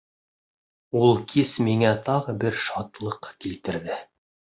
Ул кис миңә тағы бер шатлыҡ килтерҙе.